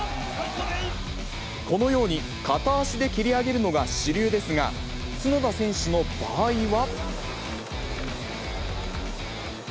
このように片足で蹴り上げるのが主流ですが、角田選手の場合は。